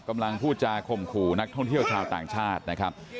พูดจาข่มขู่นักท่องเที่ยวชาวต่างชาตินะครับ